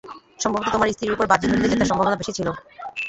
সম্ভবত তোমার স্ত্রীর উপর বাজি ধরলেই জেতার সম্ভাবনা বেশি ছিল।